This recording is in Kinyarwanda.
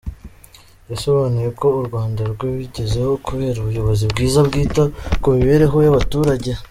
Yasobanuye ko u Rwanda rwabigezeho kubera ubuyobozi bwiza bwita ku mibereho y’abaturage.